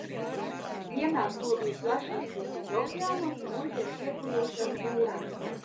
Vienādzobji ir plaši izplatīti okeānos un tiem pieguļošās jūrās.